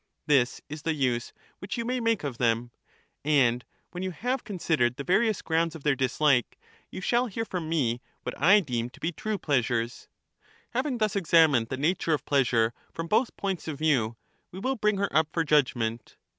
This is the use which you may make of them. And when The you have considered the various grounds of their dislike, fheir"<Us *^^ you shall hear from me what I deem to be true pleasures, like to Having thus examined the nature of pleasure from both P^<^^^ n ' Ml ,. 1 /. 1 may throw points of view, we will bring her up for judgment.